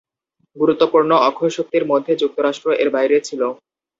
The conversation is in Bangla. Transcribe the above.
গুরুত্বপূর্ণ অক্ষশক্তির মধ্যে যুক্তরাষ্ট্র এর বাইরে ছিল।